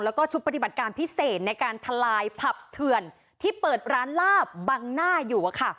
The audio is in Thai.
แล้วก็ชุดปฏิบัติการพิเศษในการทลายผับเถื่อนที่เปิดร้านลาบบังหน้าอยู่อะค่ะ